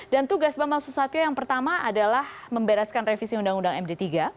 tugas bambang susatyo yang pertama adalah membereskan revisi undang undang md tiga